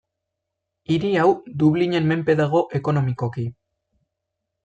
Hiri hau, Dublinen menpe dago ekonomikoki.